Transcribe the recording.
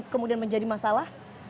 kemudian menjadi masalah